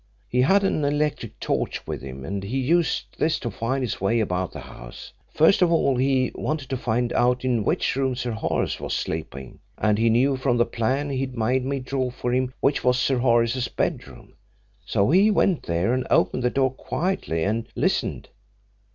He had an electric torch with him, and he used this to find his way about the house. First of all, he wanted to find out in which room Sir Horace was sleeping, and he knew from the plan he'd made me draw for him which was Sir Horace's bedroom, so he went there and opened the door quietly and listened.